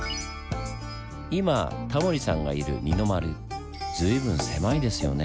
今タモリさんがいる二の丸随分狭いですよねぇ。